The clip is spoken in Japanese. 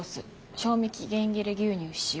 賞味期限切れ牛乳使用。